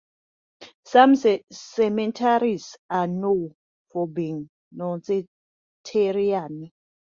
Some cemeteries are known for being nonsectarian.